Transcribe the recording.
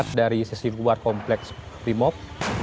terlihat dari sisi luar kompleks bremob